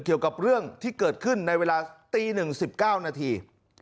เกี่ยวกับเรื่องที่เกิดขึ้นในเวลาตี๑๑๙นาที